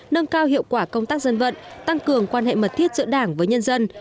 nâng cao hiệu quả công tác dân vận tăng cường quan hệ mật thiết giữa đảng với nhân dân